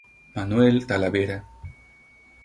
Manuel Talavera.